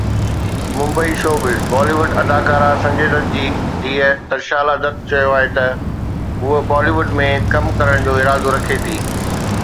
Mumbai (showbiz news) Bollywood اداڪار سنجي دت جي ڌيءَ ترشالا دت چيو آهي ته هوءَ بالي ووڊ ۾ ڪم ڪرڻ جو ارادو رکي ٿي.